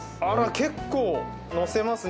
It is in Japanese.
結構のせますね。